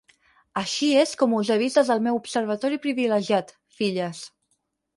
Així és com us he vist des del meu observatori privilegiat, filles.